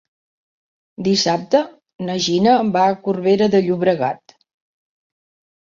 Dissabte na Gina va a Corbera de Llobregat.